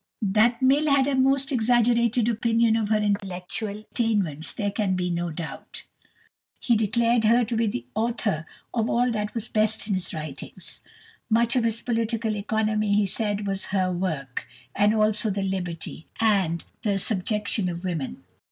That Mill had a most exaggerated opinion of her intellectual attainments there can be no doubt. He declared her to be the author of all that was best in his writings. Much of his "Political Economy," he said, was her work, and also the "Liberty" and the "Subjection of Women."